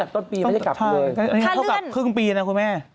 เท่ากับครึ่งปีนะคุณแม่